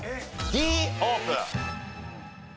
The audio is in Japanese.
Ｄオープン。